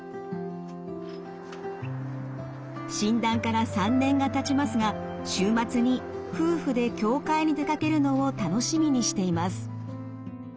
診断から３年がたちますが週末に夫婦で教会に出かけるのを楽しみにしています。